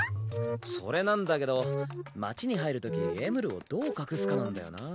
それなんだけど街に入るときエムルをどう隠すかなんだよな。